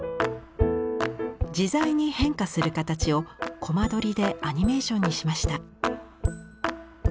自在に変化する形をコマ撮りでアニメーションにしました。